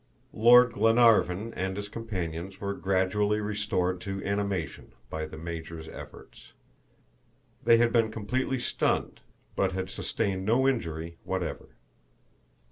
Lord Glenarvan and his companions were gradually restored to animation by the Major's efforts. They had been completely stunned, but had sustained no injury whatever.